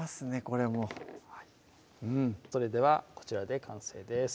これもはいそれではこちらで完成です